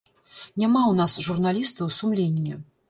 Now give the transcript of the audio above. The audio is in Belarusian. Няма ў нас, журналістаў, сумлення.